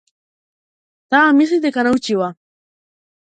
Таа мисли дека научила.